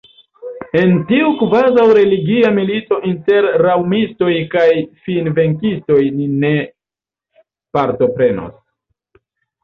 En tiu kvazaŭ religia milito inter raŭmistoj kaj finvenkistoj ni ne partoprenos.